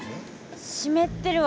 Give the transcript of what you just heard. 湿ってるわ。